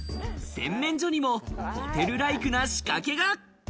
洗面所にもホテルライクが仕掛けが。